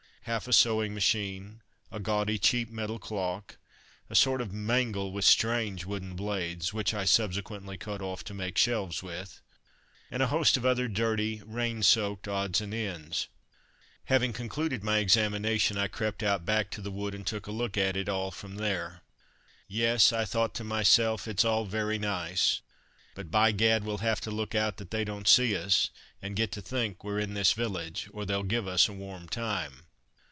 Half a sewing machine, a gaudy cheap metal clock, a sort of mangle with strange wooden blades (which I subsequently cut off to make shelves with), and a host of other dirty, rain soaked odds and ends. [Illustration: map of village] Having concluded my examination I crept out back to the wood and took a look at it all from there. "Yes," I thought to myself, "it's all very nice, but, by Gad, we'll have to look out that they don't see us, and get to think we're in this village, or they'll give us a warm time."